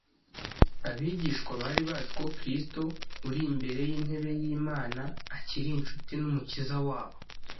Abigishwa bari bazi ko Kristo uri imbere y’Intebe y’Imana, akiri incuti n’Umukiza wabo.